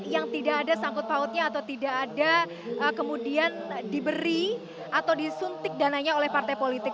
yang tidak ada sangkut pautnya atau tidak ada kemudian diberi atau disuntik dananya oleh partai politik